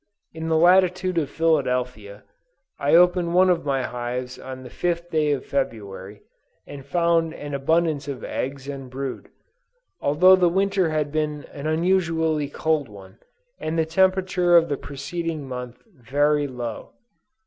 In the latitude of Philadelphia, I opened one of my hives on the 5th day of February, and found an abundance of eggs and brood, although the winter had been an unusually cold one, and the temperature of the preceding month very low.